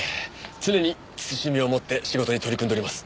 常に慎みを持って仕事に取り組んでおります。